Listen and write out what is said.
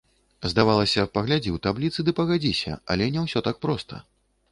Здавалася, паглядзі ў табліцы ды пагадзіся, але не ўсё так проста.